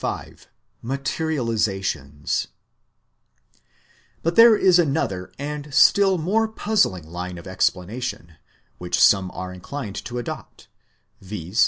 5 Materialisations But there is another and still more puzzling line of explana tion, which some are inclined to adopt, viz.